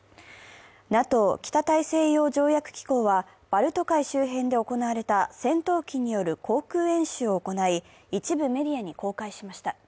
ＮＡＴＯ＝北大西洋条約機構はバルト海周辺で行われた戦闘機による航空演習を行い、一部メディアに公開しました。